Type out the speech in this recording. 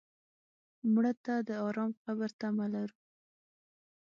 مړه ته د ارام قبر تمه لرو